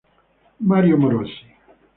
Mario Morosi